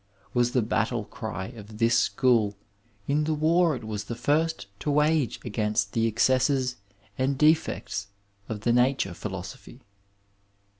was the battle cry of this school in the war it was the first to wage against the excesses and defects of the nature philosophy '* (Gk>m perz).